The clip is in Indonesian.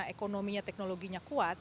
ekonominya teknologinya kuat